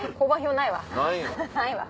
ないわ。